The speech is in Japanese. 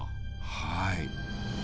はい。